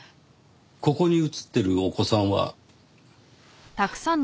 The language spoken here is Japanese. ここに写ってるお子さんは？